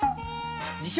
自称